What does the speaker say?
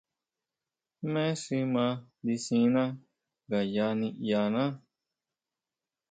Jmé xi mandisina ngayá niʼyaná.